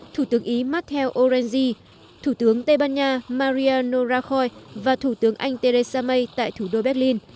thủ tướng ý matteo orenzi thủ tướng tây ban nha maria norakhoi và thủ tướng anh theresa may tại thủ đô berlin